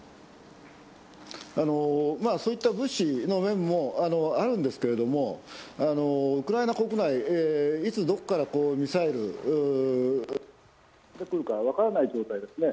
そういった物資の面もあるんですがウクライナ国内、いつどこからミサイルが飛んでくるか分からない状況ですね。